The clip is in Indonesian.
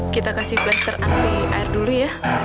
kita kasih plaster anti air dulu ya